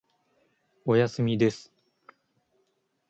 おやすみです。